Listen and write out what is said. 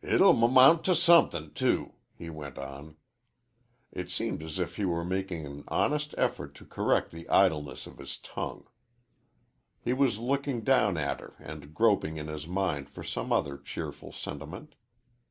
"It'll 'mount to s suthin', t too," he went on. It seemed as if he were making an honest effort to correct the idleness of his tongue. He was looking down at her and groping in his mind for some other cheerful sentiment.